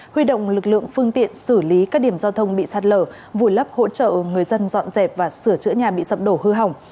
huy động lực lượng phương tiện xử lý các điểm giao thông bị sạt lở vùi lấp hỗ trợ người dân dọn dẹp và sửa chữa nhà bị sập đổ hư hỏng